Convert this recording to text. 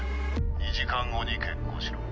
２時間後に決行しろ。